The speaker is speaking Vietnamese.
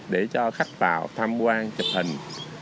để cho khách vào tham quan chụp hình